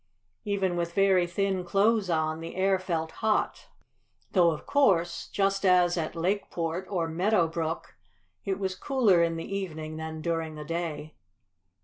Even with very thin clothes on the air felt hot, though, of course, just as at Lakeport or Meadow Brook, it was cooler in the evening than during the day.